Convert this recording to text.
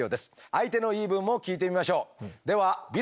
相手の言い分も聞いてみましょう。